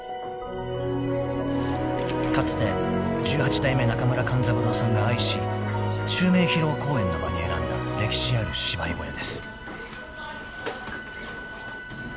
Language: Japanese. ［かつて十八代目中村勘三郎さんが愛し襲名披露公演の場に選んだ歴史ある芝居小屋です］